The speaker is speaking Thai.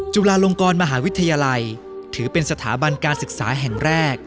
จุฬาลงกรมหาวิทยาลัยถือเป็นสถาบันการศึกษาแห่งแรก